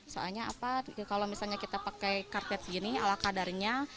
soalnya kalau misalnya kita pakai karpet begini ala kadarnya